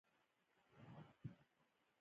نو مازغۀ هغه خيال بې اهميته کړي او ختم شي